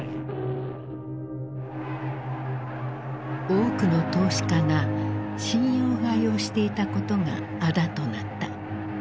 多くの投資家が信用買いをしていたことがあだとなった。